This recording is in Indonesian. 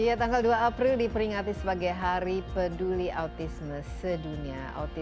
iya tanggal dua april diperingati sebagai hari peduli autisme sedunia